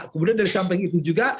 kemudian dari samping itu juga